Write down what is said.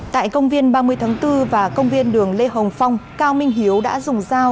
tại công viên ba mươi tháng bốn và công viên đường lê hồng phong cao minh hiếu đã dùng dao